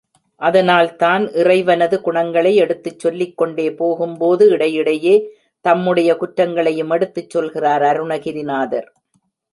அதனால் தான் இறைவனது குணங்களை எடுத்துச் சொல்லிக் கொண்டே போகும்போது இடையிடையே தம்முடைய குற்றங்களையும் எடுத்துச் சொல்கிறார் அருணகிரிநாதர்.